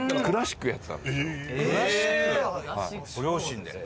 ご両親で。